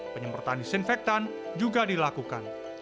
penyemprotan disinfektan juga dilakukan